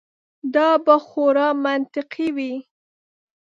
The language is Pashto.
دا به خورا منطقي وي.